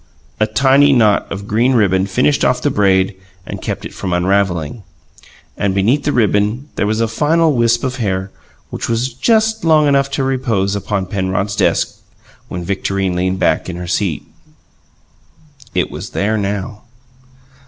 A tiny knot of green ribbon finished off the braid and kept it from unravelling; and beneath the ribbon there was a final wisp of hair which was just long enough to repose upon Penrod's desk when Victorine leaned back in her seat. It was there now.